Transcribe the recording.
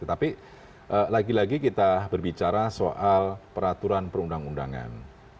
tetapi lagi lagi kita berbicara soal peraturan perundang undangan